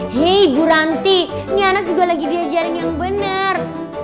hei bu ranti ini anak juga lagi diajarin yang benar